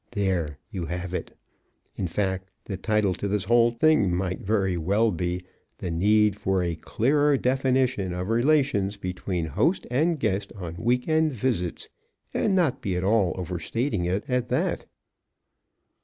(There, you have it! In fact, the title to this whole thing might very well be, "The Need for a Clearer Definition of Relations between Host and Guest on Week end Visits," and not be at all overstating it, at that.)